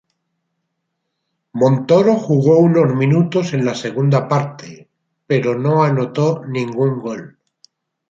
Montoro jugó unos minutos en la segunda parte, pero no anotó ningún gol.